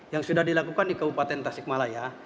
yang sudah dilakukan di kabupaten tasik malaya